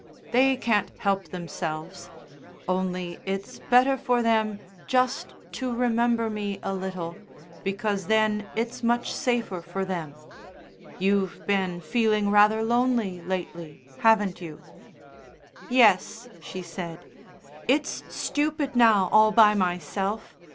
They can't help themselves. Only it's better for them just to remember me a little, because then it's much safer for them. You've been feeling rather lonely lately, haven't you?" "Yes," she said. "It's stupid now all by myself.